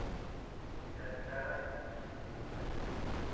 Si sale Cara, recibe un premio.